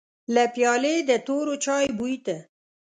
له پيالې د تورو چايو بوی ته.